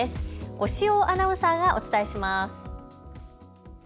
押尾アナウンサーがお伝えします。